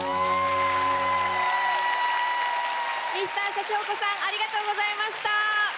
Ｍｒ．シャチホコさんありがとうございました。